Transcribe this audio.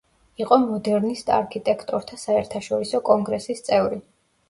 იყო მოდერნისტ არქიტექტორთა საერთაშორისო კონგრესის წევრი.